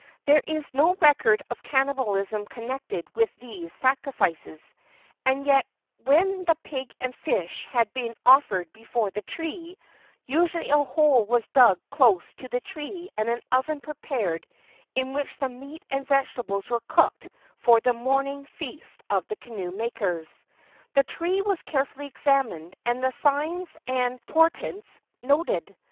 There is no record of cannibalism connected with these sacrifices, and yet when the pig and fish had been offered before the tree, usually a hole was dug close to the tree and an oven prepared in which the meat and vegetables were cooked for the morning feast of the canoe makers. The tree was carefully examined and the signs and por LEGENDARY CANOE MAKING 33 tents noted.